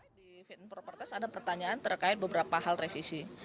di vn properties ada pertanyaan terkait beberapa hal revisi